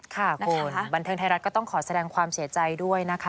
ค่ะคุณบันเทิงไทยรัฐก็ต้องขอแสดงความเสียใจด้วยนะคะ